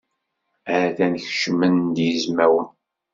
Atan kecmen-d yizmawen.